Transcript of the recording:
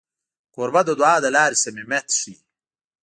کوربه د دعا له لارې صمیمیت ښيي.